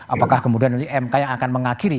apakah kemudian nanti mk yang akan mengakhiri